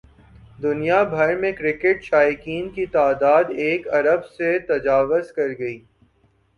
دنیا بھر میں کرکٹ شائقین کی تعداد ایک ارب سے تجاوز کر گئی